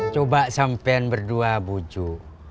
coba sampein berdua bujuk